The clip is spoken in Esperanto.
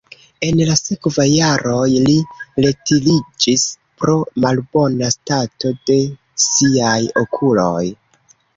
En la sekvaj jaroj li retiriĝis pro malbona stato de siaj okuloj.